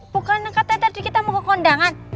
bukan kata tadi kita mau ke kondangan